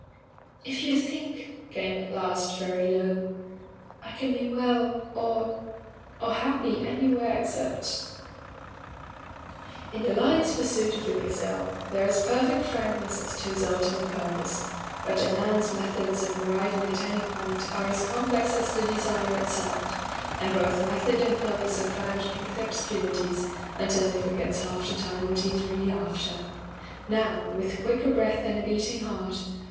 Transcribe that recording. "If you think,'* came at last, very low, "I can be well — or — or happy anywhere ex cept " In the lion's pursuit of the gazelle there is perfect frankness as to his ultimate purpose, but a man's methods of arriving at any point are as complex as the desire itself, and both method and purpose are clouded with ob scurities until he forgets half the time what he is really after. Now, with quicker breath and a beating heart.